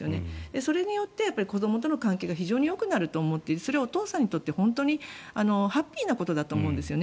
それによって子どもとの関係が非常によくなると思っていてそれはお父さんにとって本当にハッピーなことだと思うんですね。